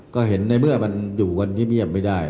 ก็เห็นในเมื่อมันอยู่กันเงียบไม่ได้